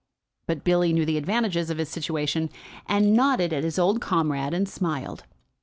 But Billy knew the advantages of his situation, and nodded at his old comrade, and smiled.